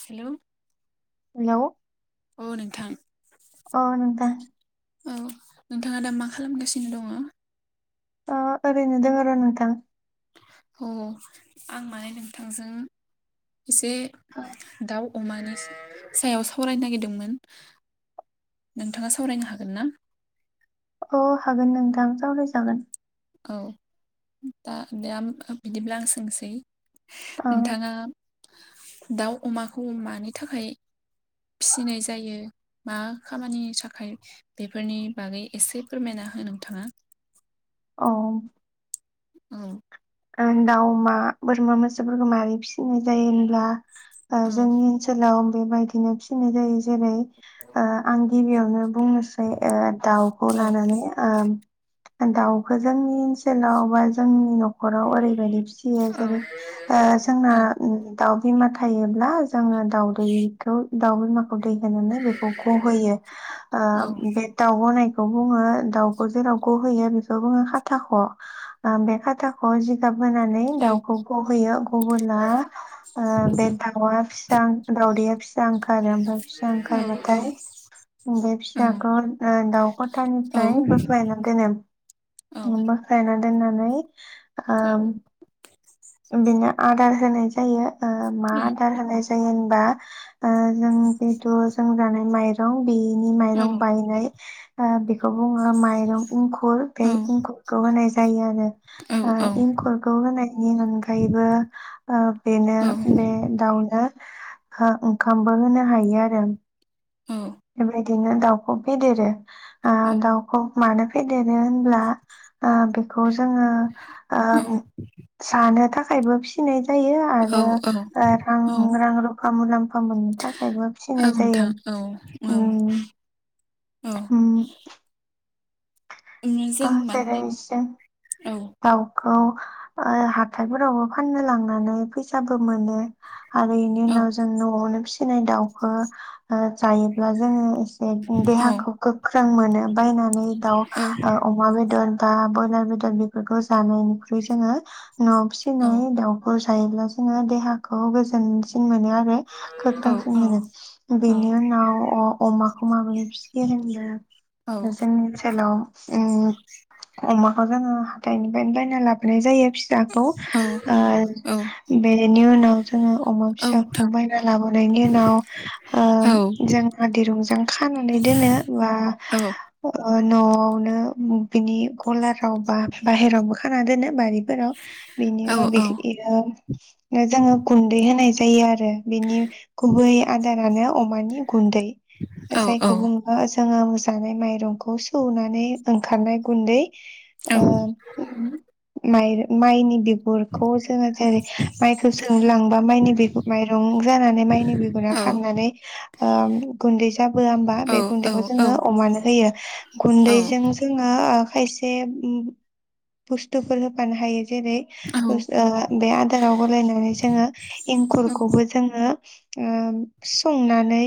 Hello hello अ नोंथां औ नोंथां औ नोंथाङा दा मा खालामगासिनो दङ? अ ओरैनो दङ र नोंथां। अ आं माने नोंथांजों एसे दाउ, अमानि सायाव सावरायनो नागिरदोंमोन नोंथाङा सावरायनो हागोन ना? अ हागोन नोंथां रावरायजागोन, औ दा दा बिदिब्ला आं सोंनिसै, ओ नोंथाङा दाउ अमाखौ मानि थाखाय, फिसिनाय जायो। मा खामानि थाखाय बेफोरनि बागै एसे फोरमायना हो नोंथाङा, औ औ आं दाउ, अमा, बोरमा, मोसौफोरखौ माबारै फिसिनाय जायो होनब्ला, ओ औ जोंनि ओनसोलाव बेबायदिनो फिसिनाय जायो जेरै ओ आं गियावनो बुंनोसै ओ दाउखौ औ लानानै ओम दाउखौ जोंनि ओनसोलाव बा जोंनि न' न'खराव ओरैबायदि फिसियो जेरै ओ जोंना औ दाउ बिमा थायोब्ला जोङो दावउदैखौ दाउ, बिमा, दै होनानै बेखौ गहोयो औ ओ बे दाउ गनाय, बेखौ बुङो दाउखौ जेराव गहोयो बेखौ बुङो खाथाख' ओ बे खाथा ख' जिगाब बोनानै औ दाउखौ गहोयो, अबोला ओ बे दाउआ फिसा दाउदैया फिसा ओंखारो ओमफ्राय फिसा ओंखारबाथाय बे फिसाखौ दाउ खथानिफ्राय औ बोख्लायना दोनो, औ [unintelligible] औ आं बिनो आदार होनाय जायो। ओ मा औ आदार होनाय जायो होनबा, ओ जों बेथ' जों जानाय माइरं बेनि औ औ माइरं बायनाय, आ बेखौ बुङो माइरं इंखुर बे इंखुरखौ होनाय जा [unintelligible] औ दा औ इंखुरखौ होनाय नि अनगायैबो बेनो औ बे दाउनो ओंखामबो होनो हायो आरो। बेबायदिनो दाउखौ फेदेरो आ दावखौ मानो फेदेरो होनब्ला बेखौ जोङो औ ओ जानो था खायबो फिसिनाय जायो औ आरो औ रां रां रुफा मुलाम्फा मोननो थाखायबो औ फिसिनाय नोंथां जायो। औ औ उम औ। आ जों जेरै माने जों औ दाव आव हाथायफोरावबो फाननो लांनानै फैसाबो मोनो आरो इनि औ उनाव जों नआवनो फिसि नाय दाउखौ जायोब्ला जोङो औ देहाखौ गोख ख्रों मोनो बायनानै दाउ औ अमा बेदर दा ब्रयलार बेदर बेफोरखौ जानायनिख्रुइ जोङो। नआव औ फिसिनाय दाउफोर थायोब्ला जोङो देहाखौ गोजोनसिन मोनो। आरो गोख्रोंसिन औ नोंथां औ मोनो बेनि उनाव अ अमाखौ माबोरै फिसियो होन जोंनि [unintelligible] अमाखौ जोङो हाथाइनिफ्रायनो बायना लाबोनाय जायो। फिसाखौ बेनि उनाव जोङो अमा फिसाखौ बायना लाबोनायनि उनाव ओ जों दिरुंजों खानानै दोनो बा नआवनो बिनि गलाराव बा बाहेरावबो खाना दोनो बारि व बिनि उनाव जों गुन्दै होनाय जा जायो आरो बिनि गुबै आदारानो अमानि गुन्दै जायखौ बुङो जोङो मोसानाय माइरंखौ खौ सौनानै ओंखारनाय गुन्दै ओ माइर माइनि द गुरखौ जोंङो जेरै माइखौ सौनो लांबा माइनि बिग माइरं जानानै माइनि बिगुरा खारनानै ओ गुन्दै जाबोआ होमबा बे गुन्दैखौ जोंङो अमानो होयो। गुन्दैजों जोंङो खायसे बस्तुफोर होफानो हायो जेरै ओ बे आदाराव गलायनानै जोंङो एंखुरखौबो जोंङो ओ संनानै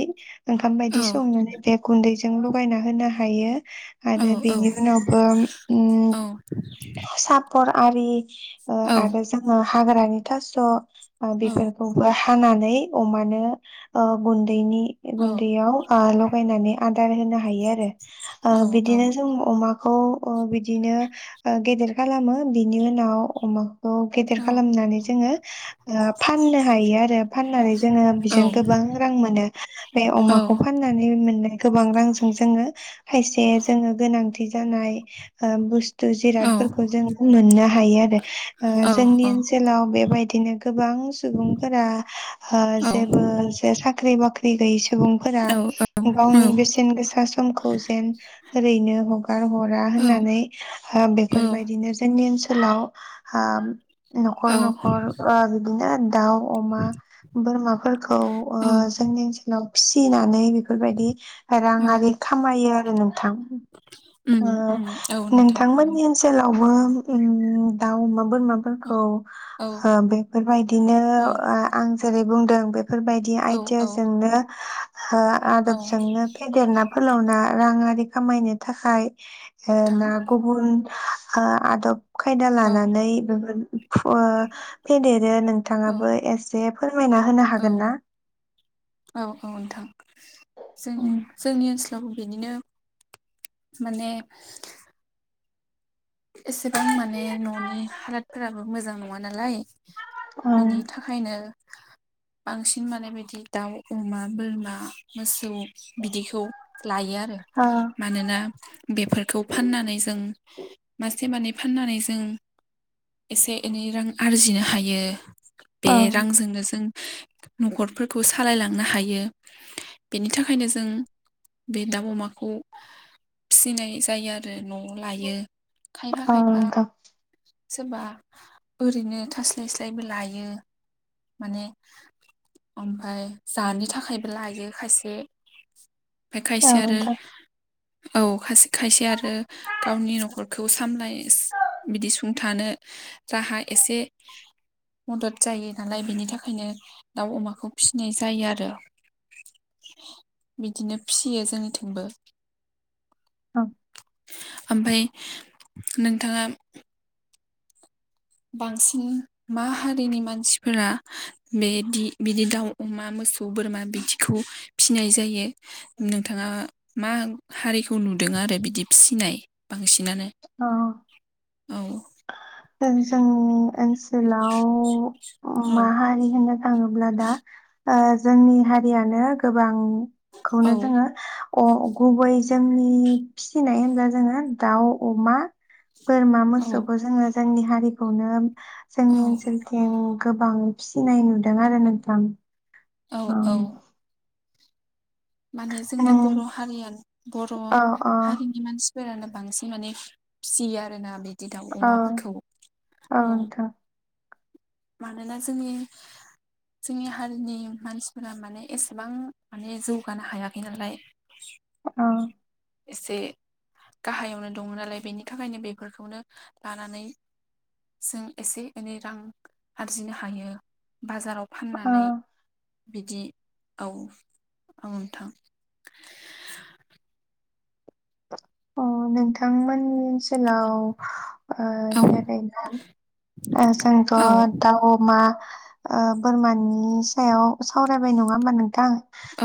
ओंखाम बायदि संनानै बे गुन्दैजों जों लगायना होनो हायो आरो बेनि उनावबो उम्म साप [unintelligible] आरि ओ आरो जोंङो हाग्रानि थास' बेफोरखौबो हानानै अमानो ओ गुन्दैनि गुन्दैयाव ओ ल गायनानै आदार होनो हायो आरो। ओ बिदिनो जों अमा खौ ओ बिदिनो गेदेर खालामो बिनि उनाव अमा ओ गेदेर खालामनानै जोंङो ओ फाननो हायो आरो फाननानै जोंङो बेजों गोबां रां मोनो बे अमाखौ फाननानै मोननाय गोबां रांजों जोंङो जे जोंङो गोनांथि जानाय बु जिरादफोरखौ जों मोननो हायो आरो ओ औ औ जोंनि ओनसोलाव बेबायदि बिदिनो [unintelligible] गोबां सुबुंफोरा ओ औ जेबो ज साख्रि बाख्रि [unintelligible] सुबुंफोरा औ औ गावनि बेसेन गोसा समखौ ओरैनो हगार हरा औ होननानै औ बेफोरबायदिनो जों जोंनि ओनसोलाव ओ औ न'खर न'खर ओ बिदिनो दाउ अमा बोरमाफोरखौ ओ औ जोंनि ओनसोलाव फिसिनानै बेफोरबायदि उम रांआरि खामायो आ [unintelligible] ओ उम औ नोंथां नोंथांमोननि ओनसोलावबो उम दाउ माबा औ बोरामाफोरखौ औ ओ बेफोरबायदिनो औ आ-आं जेरै बुंदों बे बेफोरबायदि औ आइदियाजोंनो हो औ नोंथां आदबजोंनो फेदेरना फोलावना राङारि खामायनो थाखाय ओ ना गुबुन ओ आदब खायदा औ लानानै बेफोर [unintelligible] फेदेद दो औ नोंथाङाबो एसे फोरमायना होनो औ हागोन ना? औ औ नोंथां। जों उम जोंनि ओनसोल आव बेदिनो माने एसेबां माने न'नि हालदफोराबो मोजां नङा नालाय। औ बिनि थाखायनो बांसिन माने बिदिनो दाउ, अमा, बोरमा, मोसौ बिदिखौ लायो आरो। मानोना बेफोरखौ फाननानै जों मासे मानै फाननानै जों एसे एनै रां आरजिनो हायो। औ बे रांजोंनो जों न'खरफोरखौ सालायलांनो हायो बेनि थाखायनो जों बे दाउ अमाखौ फिसिनाय जायो आरो न' लायो। खायफा औ खायफा नोंथां। सोरबा ओरैनो थास्लाय स्लायबो लायो माने ओमफ्राय जानो थाखायबो लायो खायसे। ओमफ्राय औ खायसे आरो नोंथां औ खायसे खायसे आरो गावनि न'खर खौ सामलाय बिदि सुंथानो राहा एसे मदद जायो नालाय, बेनि थाखायनो दाउ अमाखौ फिसिनाय जायो आरो। बिदिनो फियो जोंनिथिंबो ओं। ओमफाय नोंथाङा बांसिन मा हारिनि मानसिफोरा बेदि बिदि दाउ अमा मोसौ बोरमा बिदिखौ फिसिनाय जायो नोंथाङा मा हारिखौ नुदों आरो बिदि फिनाय बांसिनानो औ औ। जों ओन सोलाव उम औ माहारि होनो थाङोब्ला दा ओ जोंनि हारियानो गोबां खौनो जोङो औ अ गुबै जोंनि फिसिनाय होनब्ला जोङो दाउ, अमा, बोरमा, औ मोसौखो जोङो जोंनि हारिखौनो जोंनि औ ओनसोलथिं गोबां फिसिनाय नुदों आरो नोंथां। औ औ माने जोंनि नों बर'हारिया बर' औ औ हारिनि मानसि फोरानो बांसिन माने फिसियो आरो ना बे बिदि दाउ औ अमाफोरखौ औ मानोना जोंनि जोंनि हारिनि मानसिफोरा माने एसेबां माने जौगानो हायाखै नालाय अ एसे गाहायावनो दङ नालाय बेनि थाखायनो बेफोरखौनो लानानै जों एसे एनै रां आरजिनो हायो बाजाराव औ फाननानै बिदि औ औ नोंथां अ नोंथां मोननि ओन सोलाव ओ औ जेरैनो ओ जोंथ' औ दाउ, अमा ओ बोरमानि सायाव सावरायबाय नङा होमबा नों थां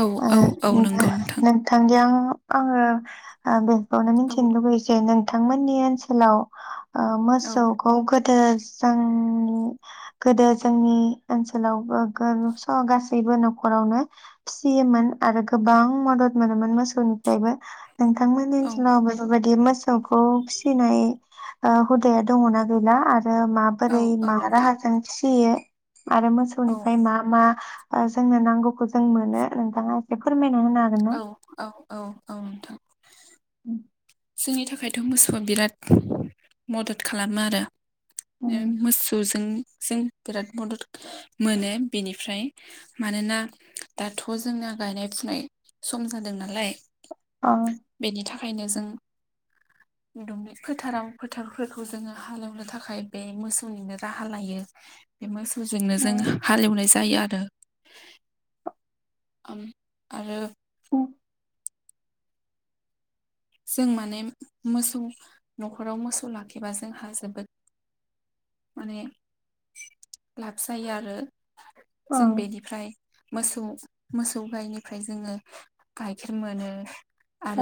औ औ औ ओनबा नंगौ नोंथां नोंथांनियाव आङो ओ बुं खौनो औ मिथिनो लुबैयो जे नों थां मोननि ओनसोलाव ओ औ मोसौखौ गो दो जोंनि गोदो जोंनि ओनसोलावबो गोर स'गासैबो नख'रावनो फिसियोमोन आरो गोबां मदद मोनोमोन मोसौनिफायबो नोंथांमोननि औ ओनसोलाव बेफोरबाय दि मोसौखौ फिसिनाय ओ हुदाया दङोना गैला आ रो औ माबोरै औ मा नोंथां राहाजों फि सियो आरो औ मोसौनिफ्राय मा मा ओ जोंनो नांगौखौ जों मोनो नोंथाङा एसे फोरमाय औ औ औ औ नोंथां। उम जोंनि थाखायथ' मोसौआ बिराद मदद खालामो आरो मोसौजों जों बिराद मदद मोनो बेनिफ्राय मानोना दाथ' जोंना गायनाय फुनाय सम जादों नालाय अ खायनो जों दुब्लि फोथाराव फोथारफोरखौ जोङो हालेवनो थाखाय बे मोसौनिनो राहा लायो बे मोसौ जोंनो जों हालेवनाय जा जायो आरो उम आरो उम जों माने मोसौ न'खराव मोसौ लाखिबा जोंहा जोबोद माने लाब जायो आरो अ औ जों बेनिफ्राय मोसौ मोसौ गायनिफ्राय जोङो गाइखेर मोनो।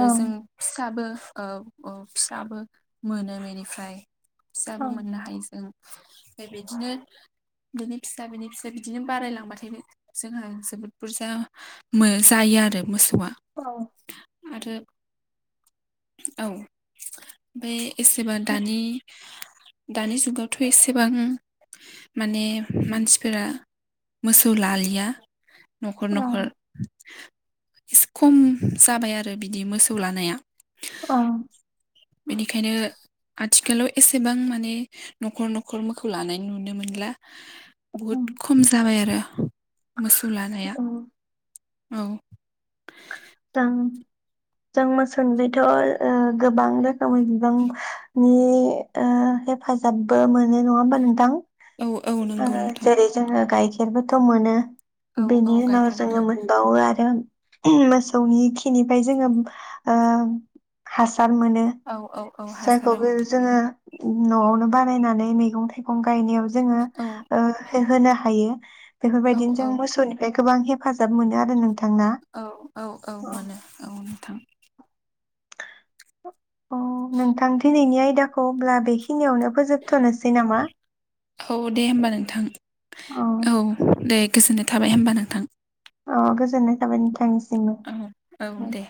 औ जों फिसाबो ओ औ फिसाबो मोनो बेनिफ्राय। फिसाबो मोननो हायो जों ओमफ्राय बिदिनो बिनि फिसा बिनि फिसा बिदिनो बारायलांबाथाय जोंहा जोबोद बुरजा मो-जायो आरो मोसौआ। औ आरो औ बे एसेबा दानि दानि जुगाव थ' एसेबां माने मानसिफोरा मोसौ लालिया न'खर औ न'खर एसे खम जाबाय आरो बिदि मोसौ लानाया। अ बेनिखायनो आथिखालाव एसेबां माने न'खर न'खर मोखौ लानानै नुनो मोनला। उम बहुद खम जाबाय आरो। मोसौ लानाया उम औ जों जों मोसौनिथ' ओ गोबां रोखोमनि बिबांनि हेफाजाबबो मोनो नङा होमबा नोंथां? औ औ ओ नंगौ नोंथां जेरै जों गाय खेरबोथ' मोनो। औ औ बेनि उनाव गाइखेर मोनो जोङो मोनबावो आरो मोसौनि खिनिफ्राय जोङो ओ हासा सार मोनो औ औ औ हासार औ जायखौबो जोङो न'आवनो बानायनानै मैगं थाइगं गं गायनायाव जोङो औ ओ होहोनो हायो। औ बेफोरबायदिनो जों औ मोसौनिफाय गोबां हेफाजाब मोनो आरो नोंथां ना औ औ औ मोनो औ नोंथां। अ नोंथां दिनैनि आयदाखौ होनब्ला बेखि खिनियावनो फोजोबथ'नोसै नामा? औ दे होमबा नोंथां औ। दे गोजोननाय थाबाय होमबा नोंथां। अ गोजोननाय थाबाय नोंथांसिम। औ औ दे।